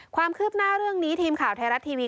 ความคืบหน้าเรื่องนี้ทีมข่าวไทยรัฐทีวี